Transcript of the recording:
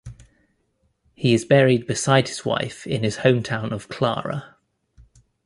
He is buried beside his wife in his hometown of Clara.